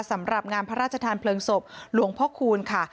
สำหรับงานพระราชทานเพลิงศพหลวงพ่อคูณค่ะ